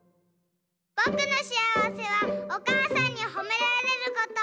ぼくのしあわせはおかあさんにほめられること！